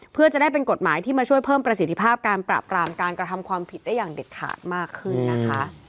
เพื่อจะได้เป็นกฎหมายที่มาช่วยเพิ่มประสิทธิภาพการปราบรามการกระทำความผิดได้อย่างเด็ดขาดมากขึ้นนะคะ